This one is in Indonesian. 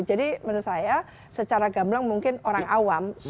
jadi menurut saya secara gamelan mungkin orang awam